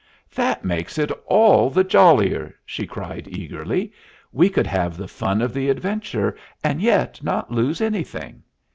"That makes it all the jollier," she cried, eagerly. "We could have the fun of the adventure, and yet not lose anything.